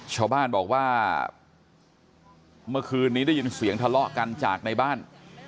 ชาวบ้านบอกว่าเมื่อคืนนี้ได้ยินเสียงทะเลาะกันจากในบ้าน